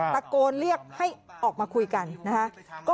ตะโกนเรียกให้ออกมาคุยกันนะคะ